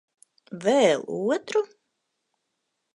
Vēl otru?